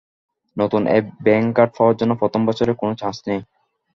নতুন এই bank card পাওয়ার জন্য প্রথম বছরে কোনো চার্জ নেই।